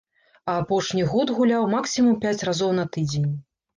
А апошні год гуляў максімум пяць разоў на тыдзень.